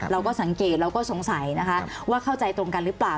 แล้วก็สงสัยนะคะว่าเข้าใจตรงกันหรือเปล่า